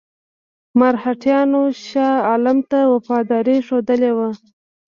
مرهټیانو شاه عالم ته وفاداري ښودلې وه.